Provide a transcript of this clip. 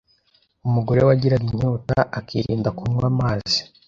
Umugore wagiraga inyota akirinda kunywa amazi